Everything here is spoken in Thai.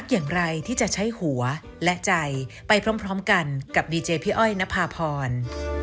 โปรดติดตามตอนต่อไป